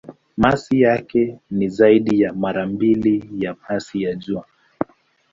Masi yake ni zaidi ya mara mbili ya masi ya Jua.